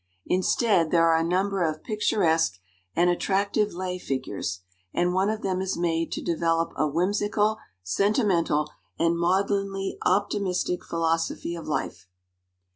Instead there are a number of picturesque and attractive lay figures, and one of them is made to develop a whimsical, sentimental, and maudlinly optimis tic philosophy of life.